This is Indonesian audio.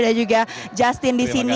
dan juga justin disini